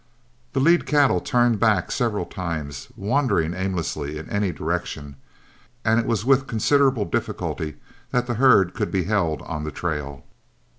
The lead cattle turned back several times, wandering aimlessly in any direction, and it was with considerable difficulty that the herd could be held on the trail.